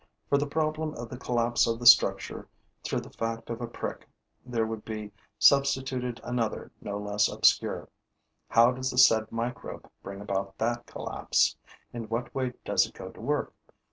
For the problem of the collapse of the structure through the fact of a prick there would be substituted another no less obscure: how does the said microbe bring about that collapse? In what way does it go to work?